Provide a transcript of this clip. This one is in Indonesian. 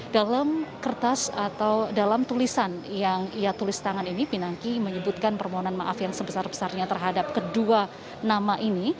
dalam kertas atau dalam tulisan yang ia tulis tangan ini pinangki menyebutkan permohonan maaf yang sebesar besarnya terhadap kedua nama ini